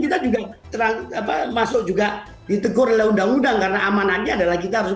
kita juga terang apa masuk juga ditegur oleh undang undang karena amanannya adalah kita harus